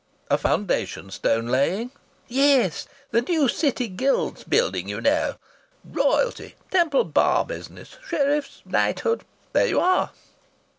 "A foundation stone laying?" "Yes. The new City Guild's building, you knaow. Royalty Temple Bar business sheriffs knighthood. There you are!"